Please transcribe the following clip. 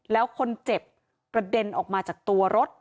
แล้วคนเจ็บกระเด็นออกมาจากตัวรถ